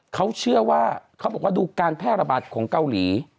เขาเชื่อว่าเขาบอกว่าดูการแพร่ระบาดของเกาหลี